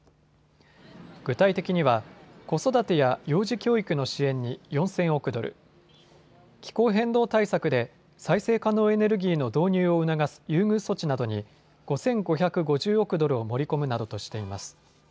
具体的には、子育てや幼児教育の支援に４０００億ドル、気候変動対策で再生可能エネルギーの導入を促す優遇措置などに５５５０億ドルを盛り込むなどとしています。